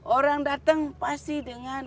orang datang pasti dengan